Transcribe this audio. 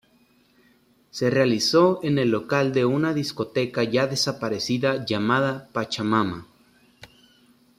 Se realizó en el local de una discoteca ya desaparecida llamada Pachamama.